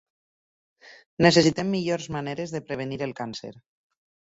Necessitem millors maneres de prevenir el càncer.